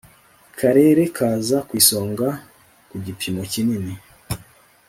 Karere kaza ku isonga ku gipimo kinini